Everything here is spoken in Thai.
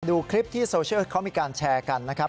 ดูคลิปที่โซเชียลเขามีการแชร์กันนะครับ